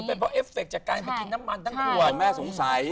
เป็นเพราะเอฟเฟคจากการไปกินน้ำมันทั้งขวดแม่สงสัย